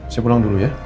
saya pulang dulu ya